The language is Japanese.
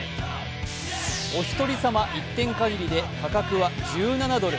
お一人様１点限りで、価格は１７ドル。